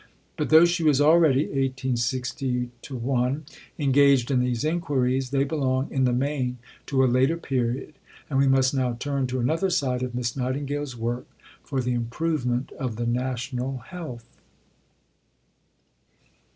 But, though she was already (1860 1) engaged in these inquiries, they belong in the main to a later period; and we must now turn to another side of Miss Nightingale's work for the improvement of the National Health.